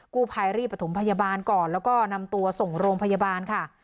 กู้ภัยรีบประถมพยาบาลก่อนแล้วก็นำตัวส่งโรงพยาบาลค่ะ